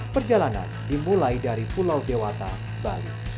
perjalanan dimulai dari pulau dewata bali